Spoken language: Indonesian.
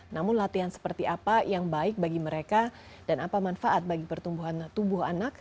namun latihan seperti apa yang baik bagi mereka dan apa manfaat bagi pertumbuhan tubuh anak